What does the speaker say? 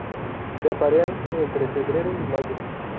Se aparean entre febrero y mayo.